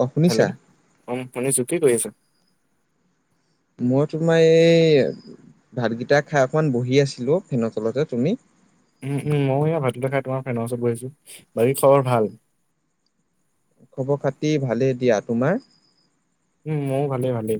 অ hello, শুনিছা ' অ শুনিছো। কি কৰি আছা? মই তোমাৰ এই ভাতকেইটা খাই অকমান বহি আছিলো ফেনৰ তলতে। তুমি? উম উম ময়ো এ ভাত কেইটা খায় তোমাৰ ফেনৰ ওচৰত বহি আছো বাকী খবৰ ভাল খবৰ খাতি ভালেই দিয়া তোমাৰ উম ময়ো ভালে ভালেই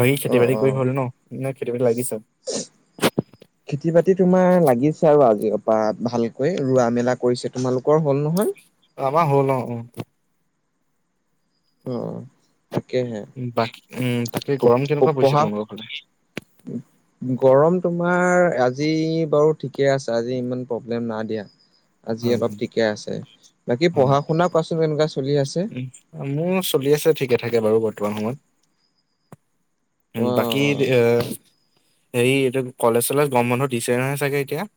বাকী অ খেতি বাতি অ কৰি হ'ল ন? নে খেতি বাতিত লাগিচ? খেতি বাতি তোমাৰ লাগিছে আৰু আজিৰ পৰা ভালকৈ ৰোৱা মেলা কৰিছে। তোমালোকৰ হ'ল নহয়? আমা হ'ল অ উম। অ তাকেহে। বাকী উম তাকে গৰম কেনেকুৱা পৰিছে পঢ়া তোমালোকৰ ফালে? গৰম তোমাৰ আজি বাৰু ঠিকে আছে, আজি ইমান প্ৰব্লেম নাই দিয়া। আজি হয় অলপ হয় ঠিকেই আছে। বাকী হয়। পঢ়া শুনা কোৱাচোন কেনেকুৱা চলি আছে। উম মোৰ চলি আছে ঠিকে থাকে বাৰু বৰ্তমান সময়ত উম অ বাকী এহ হেৰি এইটো কলেজ চলেজ গৰম বন্ধ দিছে নহয় চাগে এতিয়া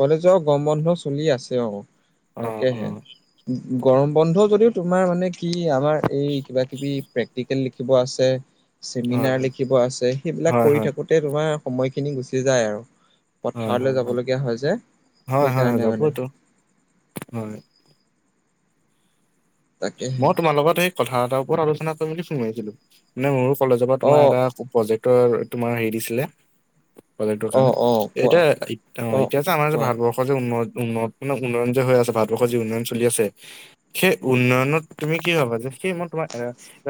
কলেজৰ গৰম বন্ধ চলি আছে অহ অ অ তাকেহে গৰম বন্ধ যদিও তোমাৰ মানে কি আমাৰ এই কিবা কিবি প্ৰেক্টি প্ৰেক্টিকেল লিখিব আছে হয় চেমিনাৰ লিখিব আছে সেইবিলাক হয় হয় কৰি থাকো তে তোমাৰ সময়খিনি গুচি যায় আৰু হয় হয় হয় পথাৰলৈ হয় যাবলগীয়া হৈ হয় হয় যাবতো হয় তাকেহে মই তোমাৰ লগত সেই কথা এটাৰ ওপৰত আলোচনা কৰি বুলি ফোন মাৰিছিলোঁ নোউচ্ কলেজৰ পৰা অ তোমাৰ এটা প্ৰজেক্টৰ তোমাৰ হেৰি দিছিলে প্ৰজেক্টৰ অ কাৰণে অ কোৱা এতিয়া অহ অ এতিয়া যে আমাৰ যে কোৱা ভাৰতবৰ্ষ দেশত যে উন্নত উন্নত উন্নয়ন যে হৈ আছে ভাৰতবৰ্ষৰ যি উন্নয়ন চলি আছে সেই হয় উন্নয়নত তুমি কি ভাবা যে সেই মই তোমাৰ এ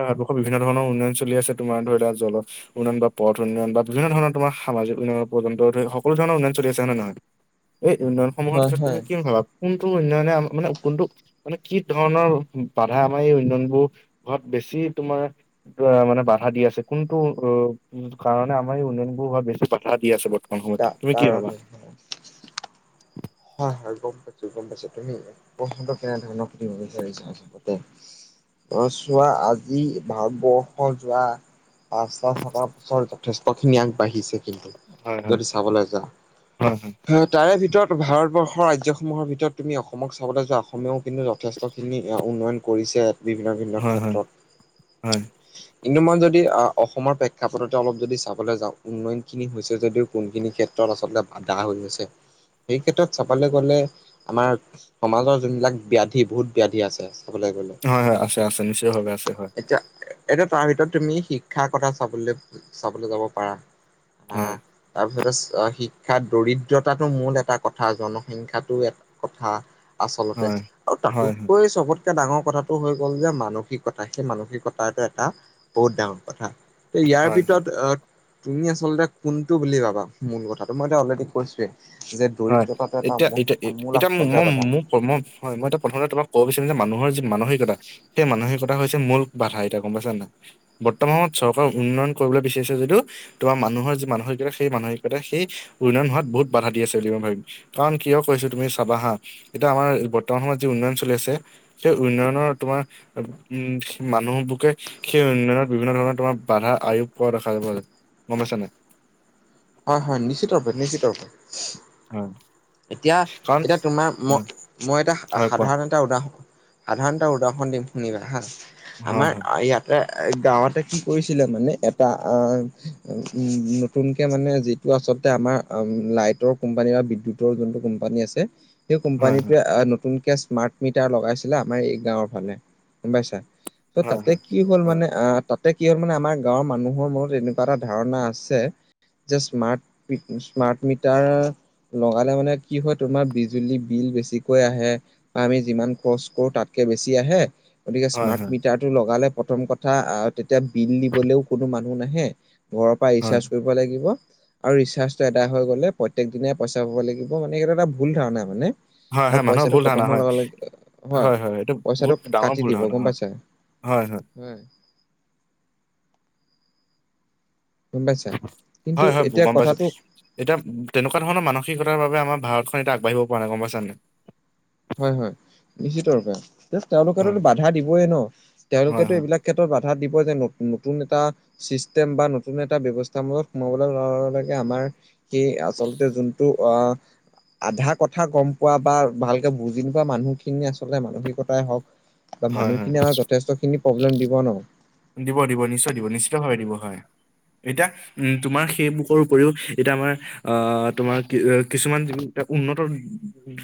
ভাৰতবৰ্ষ বিভিন্ন ধৰণৰ উন্নয় চলি আছে তোমাৰ ধৰি লোৱা জল উন্নয়ন বা পথ উন্নয়ন বা বিভিন্ন ধৰণৰ তোমাৰা সামাজিক উন্নয়ন পৰ্যন্ত সকলো ধৰণৰ উন্নয়ন চলি আছে হয় নে নহয় এই উন্নয়নসমূহৰ হয় ভিতৰ হয় তুমি কি ভাবা কোনটো উন্নয়নে মানে কোনটো মানে কি ধৰণৰ বাধা আমাৰ এই উন্নয়নবোৰ ঘট বেছি তোমাৰ কোনো বাই মানে বাধা দি আছে কোনটো অহ উম কাৰণে আমাৰ এই উন্নয়ন হোৱা বেছি বাধা দি আছে বৰ্ত মোৰ মত তা কি ভাবা কাৰণে হয় হয় হয় গম পাইছো গম পাইছো তুমি প্ৰসঙ্গ কেনে ধৰণৰ শুনিব বিচাৰিছা আচলতে অহ চোৱা আজি ভাৰতবৰ্ষ যোৱা পাঁচটাছ শতাব্ [unintelligible] ছৰ যথেষ্ট খিনি আগবাঢ়িছে কিন্তু হয় হয় যদি চাবলৈ যাওঁ হয় হয় তাৰে ভিতৰত ভাৰতবৰ্ষৰ ৰাজ্যসমূহৰ ভিতৰত তুমি অসমক চাবলৈ যোৱা অসমেও কিন্তু যথেষ্টখিনি উন্নয়ন কৰিছে বিভিন্ন বিভিন্ন হয় হয় ক্ষেত্ৰত হয় কিন্তু মই যদি অসমৰ প্ৰেক্ষাপথতে অলপ যদি চাবলৈ যাওঁ উন্নয়নখিনি হৈছে যদিও কোনখিনি ক্ষেত্ৰত আচলতে বাধা হৈ গৈছে সেই ক্ষেত্ৰত চাবলৈ গ'লে আমাৰ সমাজৰ যোনবিলাক ব্যাধি বহুত ব্যাধি আছে চাবলে গ'লে হয় হয় আছে আছে নিশ্চয় ভাৱে আছে হয় এতিয়া এতিয়া তাৰ ভিতৰত তুমি শিক্ষাৰ কথা চাবলে চাবলৈ যাব পাৰা আহ হয় তাৰপিছতে শিক্ষাৰ দৰিদ্ৰতাটো মূল এ এটা কথা জনসংখ্যাটো এটা কথা আচলতে হয় আৰু তাতো হয় হয় তকৈ চবত আটাইতকৈ ডাঙৰ কথাটো হৈ গ'ল যে মানসিকতা সেই মানসিকতাটো এটা বহুত ডাঙৰ কথা ইয়াৰ হয় হয় ভিতৰত অহ তুমি আচলতে কোনটো বুলি ভাবা মূল কথাটো মই অলৰেডি কৈছোৱে যে হয় দৰিদ্ৰতাটো এটা মূল আচলতে বাধা কমম হয় মই এটা প্ৰথমতে তোমাক ক'ব বিচাৰিম যে মানুহৰ যি মানসিকতা সেই মানসিকতা হৈছে মূল বাধা এতিয়া গম পাইছা নাই বৰ্তমানত চৰকাৰ উন্নয়ন কৰিবলৈ বিচাৰিছে যদিও তোমাৰ মানুহৰ যি মানসিকতা সেই মানসিকতা সেই উন্নয়ন হোৱাত বহুত বাধা দি আছে বুলি মই ভাবিম কাৰণ কিয় কৈছো তুমি চাবা হা এতিয়া আমাৰ বৰ্তমান সময়ত যি উন্নয়ন চলি আছে সেই উন্নয়নৰ তোমাৰ উম মানুহবোকে সেই উন্নয়নত বিভিন্ন ধৰণৰ তোমাৰ বাধা আয়োগ কৰা দেখা যাব গম পাইছানাই অ হয় নিশ্চিত ৰূপে নিশ্চিত ৰূপে অহ এতিয়া এতিয়া তোমাৰ মই মই এতিয়া হয় কোৱা সাধাৰণ এটা উদাহৰণ সাধাৰণ এটা উদাহৰণ দিম শুনিবা হা হয় আমাৰ ইয়াত এ গাঁৱতে কি কৰিছিলে মানে এটা আহ নতুনকে মানে যি আচলতে আমাৰ লাইটৰ কোম্পানী বা বিদ্যুত ওপৰৰ যোনটো কোম্পানী আছে সেই হয় হয় কোম্পানীটোৱে আহ নতুনকে স্মাৰ্ট মিটাৰ লগাইছিলে আমাৰ এই গাঁওৰ ফালে গম পাইছা ত' হয় তাতে হয় কি হ'ল হয় মানে আহ তাত তাতে কি হল মানে আমাৰ গাঁৱৰ মানুহৰ মনত এনেকুৱা এটা ধাৰণা আছে যে স্মাৰ্ট স্মাৰ্ট মিটাৰ লগালে মানে কি হয় তোমাৰ বিজুলী বিল বেছিকৈ আহে বা আমি যিমান খৰচ কৰো তাতকে বেছি আহে গতিকে হয় হয় হয় স্মাৰ্ট মিটাৰটো লগালে প্ৰথম কথা আহ তেতিয়া বিল দিবলেও কোনো মানুহ নাহে ঘৰৰ পৰা হয় ৰিচাৰ্জ কৰিব লাগিব আৰু ৰিচাৰ্জটো এটা হৈ গ'লে প্ৰত্যেক দিনে পইচা ভৰিব লাগিব মানে এইটো এটা ভুল ধাৰণা মানে হয় আৰু হয় মানুহৰ পইচাটো ভুল খতম ধাৰণা হয় হোৱাৰ লগে লগে হয় হয় এইটো পইচাটো বহুত ডাঙৰ কাটি ভুল দিব ধাৰণা গম হয় পাইছা হয় হয় হয় গম পাইছা কিন্তু হয় হয় এতিয়া গম পাইছো কথাটো এতিয়া তেনেকুৱা ধৰণৰ মানসিকতাৰ বাবে আমাৰ ভাৰতখন এতিয়া আগবাঢ়িব পৰা নাই গম পাইছানে হয় হয় নিশ্চিত ৰূপে তেওঁলোকেতো হয়, বাধা দিবই ন হয়, তেওঁলোকেতো হয়, এইবিলাক ক্ষেত্ৰত বাধা দিব যে ন নতুন এটা চিষ্টেম বা নতুন এটা ব্যৱস্থামূলত সোমাবলৈ গাৱঁৰ লেকে আমাৰ সেই আচলতে যোনটো অ আধা কথা গম পোৱা বা ভাল কে বুজি পোনোৱা মানুহখিনি আচলতে মানসিকতাই হওক বা হয়, হয়। মানুহখিনি আমাক যথেষ্টখিনি প্ৰব্লেম দিব ন দিব দিব নিশ্চয় দিব নিশ্চিত ভাৱে দিব হয় এতিয়া উম, তোমাৰ সেই বুকৰ উপৰিও এতিয়া আমাৰ আহ, তোমাৰ কি কিছুমান এহ উন্নতৰ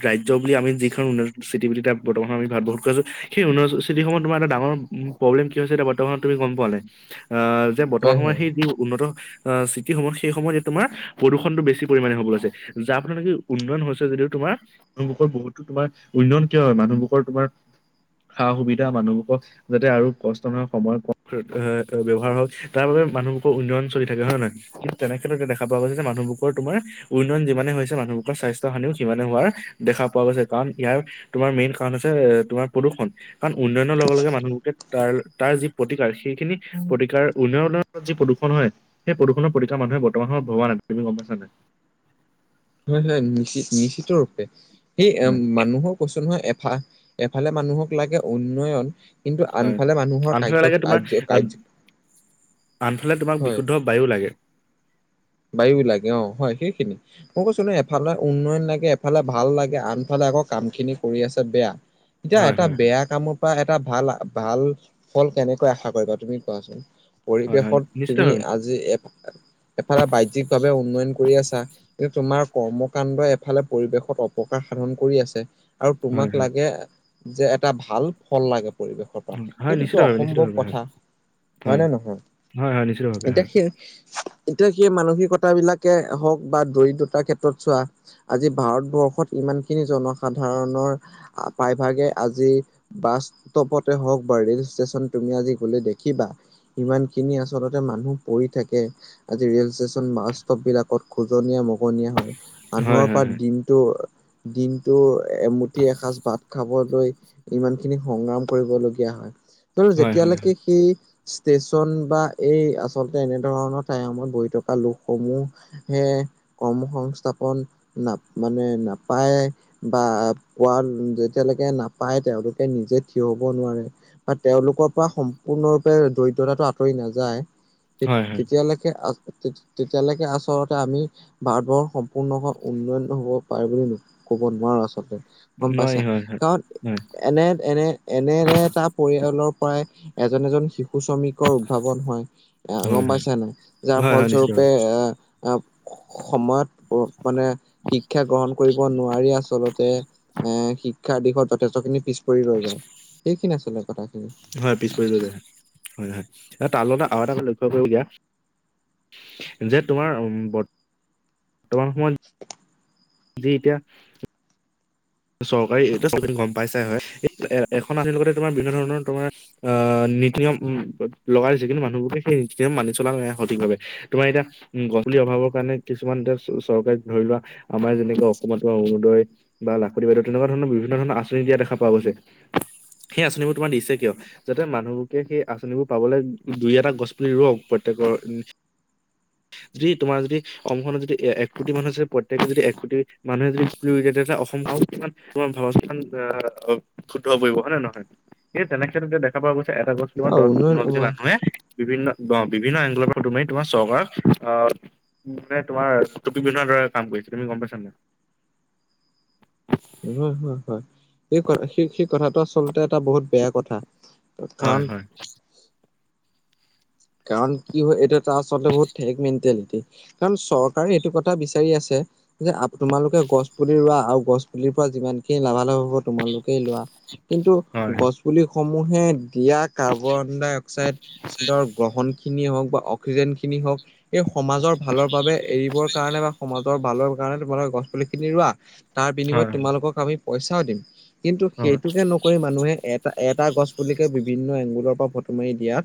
ৰাজ্য বুলি আমি যিখন অৰুণাচল চিটি বুলি তাইপ বৰ্তমান আমি ভাৰত বৰ্ষত কৰিছোঁ সেই অৰুণাচল চিঠিসমূহ তোমাৰ এটা ডাঙৰ উম প্ৰব্লেম কি হৈছে এতিয়া বৰ্তমানত তুমি গম পোৱা নাই, আহ যে বৰ্তমান হয় সময়ত হয় সেই যি উন্নত আহ, চিটি সমূহ সেই সময়ত যে তোমাৰ প্ৰদূষণটো বেছি পৰিাণে হ'ব লৈছে। যাৰ ফলত নেকি উন্নয়ন হৈছে যদিও তোমাৰ মানুহবোৰ বহুতো তোমাৰ উন্নয়ন কিয় হয়, মানুহবোখৰ তোমাৰ সা সুবিধা মানুহবোৰক যাতে আৰু কষ্ট নহয় সময় কম ব্যৱহাৰ হওক, তাৰ বাবে মানুহবোৰৰ উন্নয়ন চলি থাকে হয় নে নহয় তেনেক্ষেত্ৰত দেখা পোৱা গৈছে যে মানুহবোৰৰ তোমাৰ উন্নয়ন যিমানে হৈছে মানুহবোৰৰ স্বাস্থ্য হানিও সিমানে হোৱাৰ দেখা পোৱা গৈছে, কাৰণ ইয়াৰ তোমাৰ মেইন কাৰণ হৈছে তোমাৰ প্ৰদূষণ, কাৰণ উন্নয়নৰ লগে লগে মানুহবোৰে তাৰ তাৰ যি প্ৰতিকাৰ, সেইখিনি প্ৰতিকাৰ উন্নয়নৰ যি প্ৰদূষণ হয়। সেই প্ৰদূষণৰ প্ৰতিকাৰ মানুহবোৰে বৰ্তমান সময় ভবা নাই, তুমি গম পাইছা নাই। হয় হয় নিশ্চ নিশ্চিত ৰূপে সেই হয় মানুহক কইছো নহয়, এফাল এফালে মানুহক লাগে উন্নয়ন কিন্তু হয়। আনফালে মানুহৰ আনফালে কাৰ্য লাগে তোমাৰ কাৰ কাৰ্য আনফালে তোমাক হয়। বিশুদ্ধ বায়ু লাগে। বায়ু লাগে। অহ হয়, সেইখিনি মই কৈছো নহয়, এফালে উন্নয়ন লাগে, এফালে ভাল লাগে, আনফালে আকৌ কাম খিনি কৰি আছে বেয়া। এতিয়া হয় এটা হয় বেয়া কামৰ পৰা এটা ভাল, ভাল ফল কেনেকৈ আশা কৰিবা তুমি কোৱাচোন। হয় হয় পৰিৱেশত তুমি নিশ্চিতভাৱে আজি এফ এফালে বাহ্যিক ভাবে উন্নয়ন কৰি আছা। কিন্তু তোমাৰ কৰ্মকাণ্ডই এফালে পৰিৱেশত অপকাৰ সাধন কৰি আছে। আৰু হয় তোমাক হয় লাগে, যে এটা ভাল ফল লাগে। পৰিৱেশ উম, হয় সেইটোতো নিশ্চিতভাৱে অসম্ভৱ নিশ্চিতভাৱে হয় কথা, হয় নে নহয় হয় হয় নিশ্চিতভাৱে এতিয়া হয় সেই এতিয়া সেই মানসিকতা বিলাকে হওক বা দৰিদ্ৰতাৰ ক্ষেত্ৰত চোৱা আজি ভাৰতবৰ্ষত ইমান খিনি জনসাধাৰণৰ প্ৰায়ভাগে আজি বাছ ষ্টপতে হওক বা ৰেল ষ্টেচন তুমি আজি গলে দেখিবা ইমান খিনি আচলতে মানুহ পৰি থাকে। আজি ৰেল ষ্টেচন, বাছ ষ্টপ বিলাকত খোজনীয়া মগনীয়া হয়। হয় মানুহৰ হয় পৰা দিন তহ, দিনটো এমুঠি এসাঁজ ভাত খাবলৈ ইমান খিনি সংগ্ৰাম কৰিবলগীয়া হয়। তহ হয় হয় যেতিয়ালৈকে সেই ষ্টেচন বা এই আচলতে এনেধৰণৰ। টাইমত বহি থকা লোকসমূহ হে কৰ্মসংস্থাপন না মানে নাপায়। বা কোৱাৰ যেতিয়ালৈকে নাপায় তেওঁলোকে নিজে থিয় হ'ব নোৱাৰে। বা তেওঁলোকৰ পৰা সম্পূৰ্ণৰূপে দৰিদ্ৰতাটো আঁতৰি নাযায়, হয় হয় হয় তেতিয়ালৈকে তেতিয়ালৈকে আচলতে আমি ভাৰতবৰ্ষ সম্পূৰ্ণ উন্নয়ন হব পাৰে বুলি কব নোৱাৰো আচলতে। গম পাইছা নোৱাৰি হয় নাই, হয় কাৰণ হয় এনে এনে এনে এনেটা পৰিয়ালৰ পৰাই এজন এজন শিশু সু -শ্ৰমিকৰ উদ্ভাৱন হয়। আহ হয় হয় গম পাইছা নাই, যাৰ হয় হয় নিশ্চিতভাৱে ফলস্বৰূপে এহ, আ সময়ত মানে শিক্ষা গ্ৰহণ কৰিব নোৱাৰি আচলতে এহ শিক্ষাৰ দিশত যথেষ্ট খিনি পিছ পৰি ৰৈ যায়। সেইখিনি আছিলে কথাখিনি হয়, পিছ পৰি লয় যায়, হয় হয়। তাৰ‌ লগতে আৰু এটা লক্ষ্য কৰিব দিয়া যে তোমাৰ উ বৰ্তমান সময়ত [inaudible] আজি এতিয়া চৰকাৰী এই চবেই গম পাইছাই হয়। এ এখন আধিৰ লগতে তোমাৰ বিভিন্ন ধৰণৰ তোমাৰ আহ নীতি নিয়ম লগাই দিছে কিন্তু মানুহবোৰে সেই নীতি নিয়ম মানি চলা নাই সঠিকভাৱে। তোমাৰ এতিয়া উ গছ পুলি অভাৱৰ কাৰণে কিছুমান এতিয়া চৰকাৰীক ধৰি লোৱা। আমাৰ যেনেকুৱা অসমত অৰুণোদয় বা লা- প্ৰতিবাদ তেনেকুৱা ধৰণৰ বিভিন্ন ধৰণৰ আঁচনি দিয়া দেখা পোৱা গৈছে, সেই আঁচনিবোৰ তোমাৰ দিছে কিয়। যাতে মানুহবোৰকে সেই আঁচনিবোৰ পাবলৈ দুই এটা গছ পুলি ৰোৱক প্ৰত্যেকৰ। [inaudible] যদি তোমাৰ যদি অসমখনত যদি এক কোটি মানুহে যদি প্ৰত্যেকে যদি এক কোটি মানুহে যদি পুলি ৰুই দিয়ে তেতিয়া অসমখন কিমান তোমাৰ ভাৱাচোন [unintelligible] শুদ্ধ হৈ পৰিব হয় নে নহয়। এই তেনেকে ক্ষেত্ৰতে দেখা পোৱা গৈছে এটা গছ তোমাৰ অ দহ উন্নয়ন পোন্ধৰ হ'ব। জনী মানুহে বিভিন্ন বিভিন্ন এংগলৰ পৰা তুমি তোমাৰ চৰকাৰক আহ মানে তোমাৰ টুপী দৰে কাম কৰিছে তুমি গম পাইছা নে নাই? হয় হয় হয় সেই ক সে সেই কথাটো আচলতে এটা বহুত বেয়া কথা। হয় কাৰণ হয়। কাৰণ কি হয় এইটো এটা আচলতে বহুত ঠেক মেণ্টেলিটি। কাৰণ চৰকাৰে এইটো কথা বিচাৰি আছে যে আপ- তোমালোকে গছ পুলি ৰোৱা আৰু গছ পুলিৰ পৰা যিমানখিনি লাভালাভ হব তোমালোক সে লোৱা কিন্তু হয় গছ পুলি সমূহে তিয়া কাৰ্বন - ডাই - অক্সাইডৰ গ্ৰহণ খিনিয়ে হওক বা অক্সিজেন খিনি হওক- এই সমাজৰ ভালৰ বাবে এৰিবৰ কাৰণে বা সমাজৰ ভালৰ কাৰণে তোমালোকে গছ পুলি খিনি ৰোৱা। তাৰ বিনিময়ত হয় তোমালোকক আমি পইচাও দিম কিন্তু হয়। সেইটোকে ন- কৰি মানুহে এটা, এটা গছ পুলিকে বিভিন্ন এংগুলৰ পৰা ফটো মাৰি দিয়া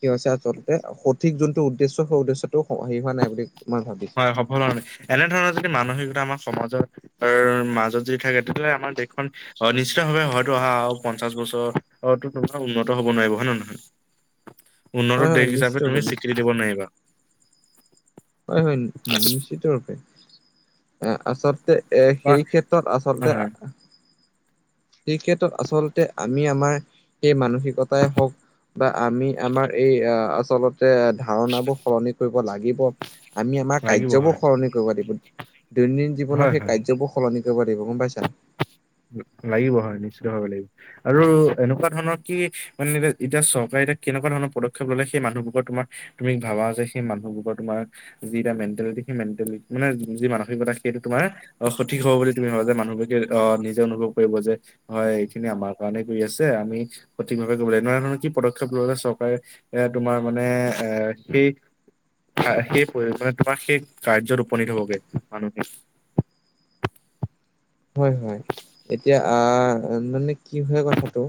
কি হৈছে আচলতে, সঠিক যোনটো উদ্দেশ্য সেই উদ্দেশ্যটো হেৰি হোৱা নাই বুলি মই ভাবিছ- [unintelligible] এনে ধৰণৰ যদি মানসিকতা আমাৰ সমাজৰ মাজত যদি থাকে তেতিয়াহ'লে আমাৰ দেশখন অ নিশ্চিত ভাৱে হয়তো অহা আৰু পঞ্চাশ বছৰ অ টো তোমাৰ উন্নত হ'ব নোৱাৰিব হয় নে নহ নহয়? উন্নত হয় হয় দেশ হিচাপে নিশ্চিত তুমি ৰূপে স্বীকৃতি নিশ্চিত দিব নোৱাৰিবা। হয় হয় নিশ্চিতৰূপে। আচাৰ তে বা সেই ক্ষেত্ৰত আচলতে নহয় এই ক্ষেত্ৰত আচলতে আমি আমাৰ সেই মানুহ সিকতাই হওক বা আমি আমাৰ এই আচলত তে ধাৰণাবোৰ সলনি কৰিব লাগিব, আমি আমাৰ লাগিব কাৰ্যবোৰ হয় সলনি কৰিব লাগিব। দৈনন্দিন হয় জীৱনত হয় সেই কাৰ্যবোৰ সলনি কৰিব লাগিব গম পাইছা। লাগিব হয় নিশ্চিত ভাৱে লাগিব। আৰু এনেকুৱা ধৰণৰ কি মানে এ এতিয়া চৰকাৰে এতিয়া কেনেকুৱা ধৰণৰ পদক্ষেপ ললে সেই মানুহবোৰৰ তোমাৰ তুমি ভাবা যে সেই মানুহবোৰৰ তোমাৰ যিটা মেণ্টেলিটি, সেই মেণ্টেলি মানে যি মানসিকতা সেইটো তোমাৰ অ সঠিক হ'ব বুলি তুমি ভাবা যে মানুহগৰাকীয়ে আহ নিজে অনুভৱ কৰিব যে হয়, এইখিনি আমাৰ কাৰণে কৰি আছে আমি সঠিকভাৱে ল'ব লাগে, নানা ধৰণৰ কি পদক্ষেপ ললে চৰকাৰে এয়া তোমাৰ মানে এ সেই আ সেই প্ৰয়োজনে তোমাৰ সেই কাৰ্যত উপনীত হ'বগৈ মানসিক। হয় হয়, এতিয়া আ মানে কি হয় কথাটো,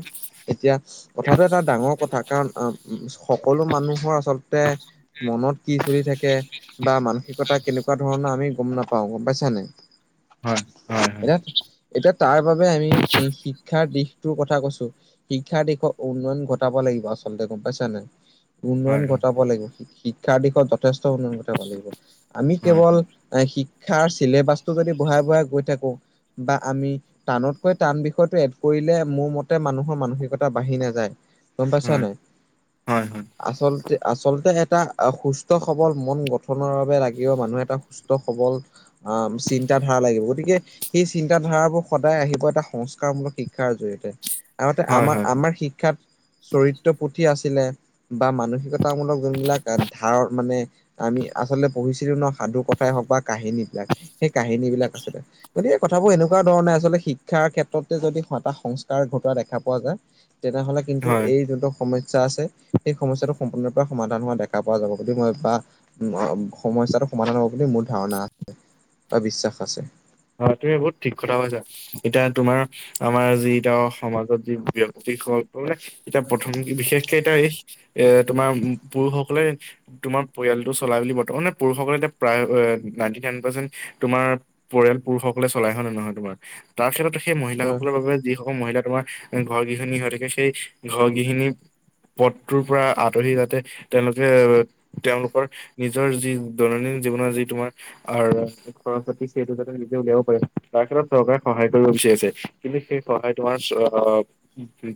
এতিয়া কথাটো এটা ডাঙৰ কথা কাৰণ অ উম, সকলো মানুহৰ আচলতে মনত কি চলি থাকে বা মানসিকতা কেনেকুৱা ধৰণৰ আমি গম নাপাওঁ, গম পাইছা নাই। হয়। হয় হয় এতিয়া, এতিয়া তাৰ বাবে আমি এই শিক্ষাৰ দিশটোৰ কথা কৈছো। শিক্ষাৰ দিশত উন্নয়ন ঘটাব লাগিব আচলতে গম পাইছা নাই। উন্নয়ন হয় হয় ঘটাব লাগিব, শিক্ষাৰ দিশত যথেষ্ট উন্নয়ন ঘটাব লাগিব, আমি হয় কেৱল হয় এ শিক্ষাৰ চিলেবাছটো যদি বঢ়াই বঢ়াই গৈ থাকো বা আমি টানতকৈ টান বিষয়টো এড কৰিলে মোৰ মতে মানুহৰ মানসিকতা বাঢ়ি নাযায়। গম পাইছা হয় নাই। হয় হয় আচলতে-আচলতে এটা সুস্থ সবল মন গঠনৰ বাবে লাগিব মানুহ এটা সুস্থ- সবল আহ, চিন্তা ধাৰা লাগিব গতিকে- সেই চিন্তাধাৰাবোৰ সদায় আহিব এটা সংস্কাৰমূলক শিক্ষাৰ জৰিয়তে। আগতে হয়, হয়, আমাৰ-আমাৰ শিক্ষাত চৰিত্ৰ পুথি আছিলে বা মানসিকতামূলক যোনবিলাক ধাৰত মানে আমি আচলতে পঢ়িছিলো ন, সাধু কথাই হওক বা কাহিনী বিলাক সেই কাহিনী বিলাক আছিলে। গতিকে কথাবোৰ এনেকুৱা ধৰণে আচলতে শিক্ষাৰ ক্ষেত্ৰতে যদি এটা সংস্কাৰ ঘটোৱা দেখা পোৱা যায় তেনেহ'লে কিন্তু হয়, এই যোনটো সম স্যা আছে সেই সমস্যাটো সম্পূৰ্ণৰূপে সমাধান হোৱা দেখা পোৱা যাব গতিকে মই বা উম, অ, উম, সমস্যাটো সমাধান হ'ব বুলি মোৰ ধাৰণা আছে বা বিশ্বাস আছে। অহ, তুমি বহুত ঠিক কথা কৈছা। এতিয়া তোমাৰ আমাৰ যি এতিয়া সমাজত যি ব্যক্তিসকলে এতিয়া প্ৰথম বিশেষকে এতিয়া এই এ তোমাৰ পুৰুষসকলে তোমাৰ পৰিয়ালটো চলাই বুলি বৰ্তমান মানে পুৰুষসকলে এতিয়া প্ৰায় নাইনটি নাইন পাৰ্চেন্ত - তোমাৰ পৰিয়াল পুৰুষসকলে চলাই হয় নে নহয় তোমাৰ তাৰ ক্ষেত্ৰতো সেই ত' মহিলাসকলৰ বাবে যিসকল মহিলা তোমাৰ উম, ঘৰ গৃহণী হৈ থাকে সেই ঘৰ গৃহিণী পদটোৰ পৰা আঁতৰি যাওঁতে তেওঁলোকে তেওঁলোকৰ নিজৰ যি দৈনন্দিন জীৱনৰ যি তোমাৰ আহ আৰু আছে সৰস্পতীক সেইটো যাতে নিজে উলিয়াব পাৰিম তাৰ ক্ষেতত চৰকাৰে সহায় কৰিব বিচাৰিছে কিন্তু সেই সহায় তোমাৰ স্ব [unintelligible]